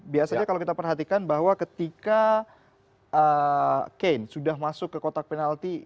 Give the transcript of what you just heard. biasanya kalau kita perhatikan bahwa ketika kane sudah masuk ke kotak penalti